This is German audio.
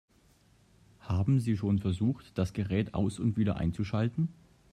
Haben Sie schon versucht, das Gerät aus- und wieder einzuschalten?